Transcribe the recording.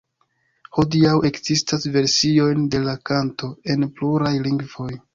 Hodiaŭ ekzistas versiojn de la kanto en pluraj lingvoj.